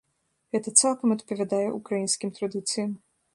Гэта цалкам адпавядае ўкраінскім традыцыям.